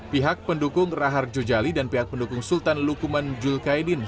pihak pendukung raharjo jali dan pihak pendukung sultan lukuman jul kaidin